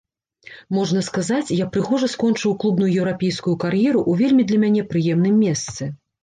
Можна сказаць, я прыгожа скончыў клубную еўрапейскую кар'еру ў вельмі для мяне прыемным месцы.